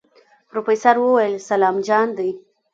پروفيسر وويل سلام جان دی.